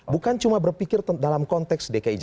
bukan cuma berpikir dalam konteks dki jakarta